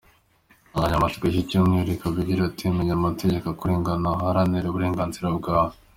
Insanganyamatsiko y’iki cyumweru ikaba igira iti “Menya amategeko akurengera, uharanire uburenganzira bwawe”.